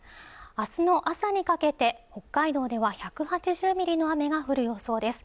明日の朝にかけて北海道では１８０ミリの雨が降る予想です